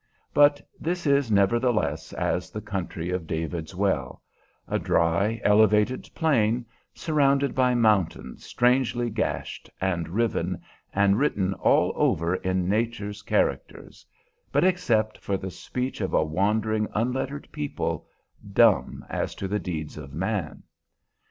But this, nevertheless, is the country of David's well, a dry, elevated plain, surrounded by mountains strangely gashed and riven and written all over in Nature's characters, but except for the speech of a wandering, unlettered people, dumb as to the deeds of man.